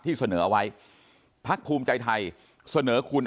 ที่เสนอเอาไว้พรรคคมใจไทยเสนอคุณ